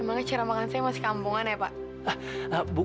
emangnya cara makan saya masih kampungan ya pak